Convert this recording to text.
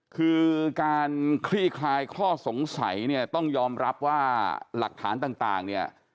คือการคลี่คลายข้อสงสัยเนี่ยต้องยอมรับว่าหลักฐานต่างเนี่ย